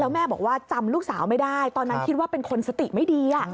แม่บอกว่าจำลูกสาวไม่ได้ตอนนั้นคิดว่าเป็นคนสติไม่ดี